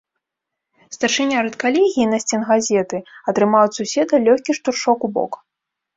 Старшыня рэдкалегіі насценгазеты атрымаў ад суседа лёгкі штуршок у бок.